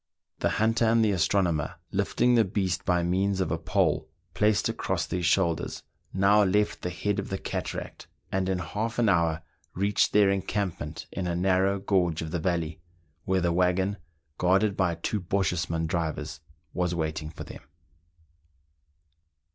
The hunter and the astronomer, lifting the beast by means of a pole placed across their shoulders, now left the head of the cataract, and in half an hour reached their encampment in a narrow gorge of the valley, where the waggon, guarded by two Bochjesman drivers, was waiting for them.